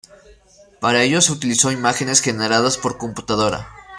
Para ello se utilizó imágenes generadas por computadora.